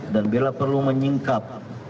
dan bila perlu menyingkap